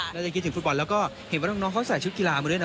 เราจะคิดถึงฟุตบอลแล้วก็เห็นว่าน้องเขาใส่ชุดกีฬามาด้วยนะ